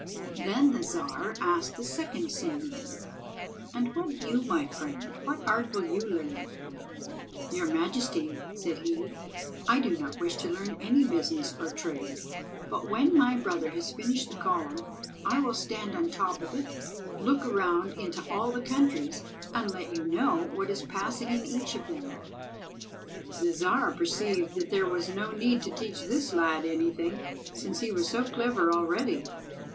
Then the Czar asked the second Simeon— "And you, my friend, what art will you learn?" "Your majesty," said he, "I do not wish to learn any business or trade, but when my brother has finished the column, I will stand on the top of it, look around into all the countries, and let you know what is passing in each of them." The Czar perceived that there was no need to teach this lad anything, since he was so clever already.